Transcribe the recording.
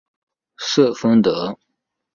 瑟丰德。